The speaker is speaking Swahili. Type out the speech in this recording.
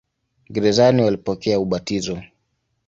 Gerezani walipokea ubatizo.